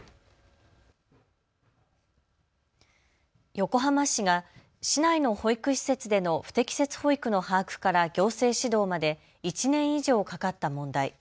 横浜市が市内の保育施設での不適切保育の把握から行政指導まで１年以上かかった問題。